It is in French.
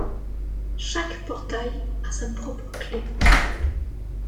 Chaque portail a sa propre clé.